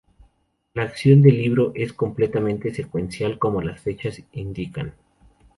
La acción del libro es completamente secuencial, como las fechas indican.